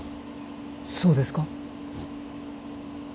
そうですか？